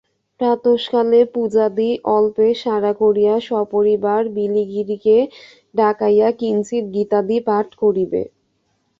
প্রাতঃকালে পূজাদি অল্পে সারা করিয়া সপরিবার বিলিগিরিকে ডাকাইয়া কিঞ্চিৎ গীতাদি পাঠ করিবে।